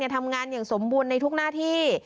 ทำงานอย่างสมบูรณ์ในทุกหน้าที่